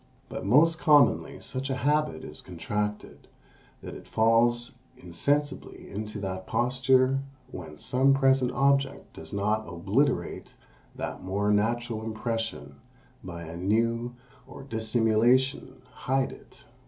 But most commonly such a habit is contracted, that it falls insensibly into that posture when some present object does not obliterate that more natural impression by a new, or dissimulation hide it.